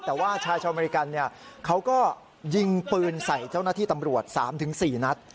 แต่ว่าชายชาวอเมริกันเขาก็ยิงปืนใส่เจ้าหน้าที่ตำรวจ๓๔นัด